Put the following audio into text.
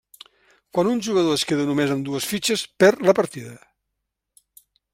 Quan un jugador es queda només amb dues fitxes perd la partida.